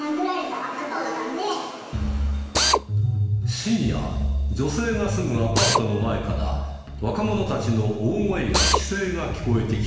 深夜女性が住むアパートの前から若者たちの大声や奇声が聞こえてきた。